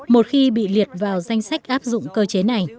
một khi bị liệt vào danh sách áp dụng cơ chế này